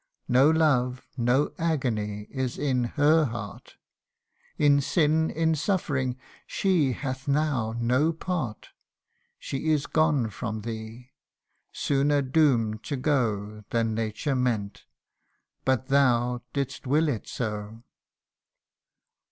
No love, no agony, is in her heart : In sin, in suffering, she hath now no part. She is gone from thee sooner doom'd to go Than Nature meant ; but thou didst will it so.